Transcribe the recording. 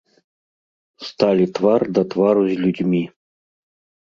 Сталі твар да твару з людзьмі.